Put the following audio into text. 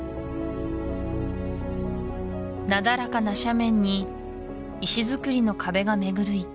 なだらかな斜面に石づくりの壁が巡る